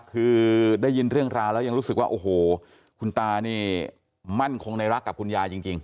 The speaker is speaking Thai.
คือได้ยินเรื่องราวแล้วยังรู้สึกว่าโอ้โหคุณตานี่มั่นคงในรักกับคุณยายจริง